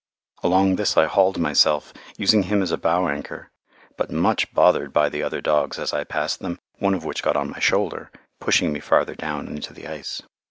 Along this I hauled myself, using him as a bow anchor, but much bothered by the other dogs as I passed them, one of which got on my shoulder, pushing me farther down into the ice.